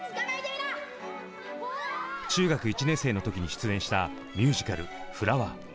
中学１年生の時に出演したミュージカル「フラワー」。